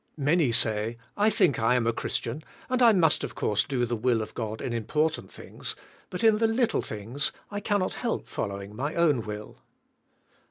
Manv sav, "I think I am a Christian and I must of course do the will of God in important things, but in the little things I can not help following my own will."